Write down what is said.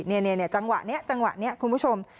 เนี่ยจังหวะนี้คุณผู้ชม